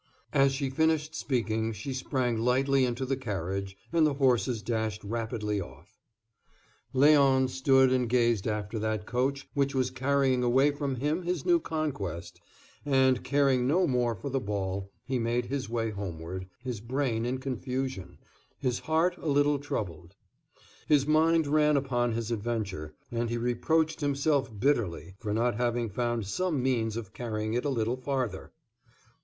As she finished speaking, she sprang lightly into the carriage, and the horses dashed rapidly off. Léon stood and gazed after that coach which was carrying away from him his new conquest, and, caring no more for the ball, he made his way homeward, his brain in confusion, his heart a little troubled; his mind ran upon his adventure, and he reproached himself bitterly for not having found some means of carrying it a little farther.